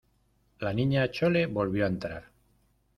la Niña Chole volvió a entrar.